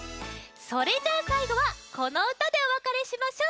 それじゃあさいごはこのうたでおわかれしましょう。